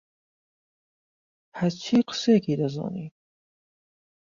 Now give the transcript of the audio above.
ههچی قسێکی دهزانی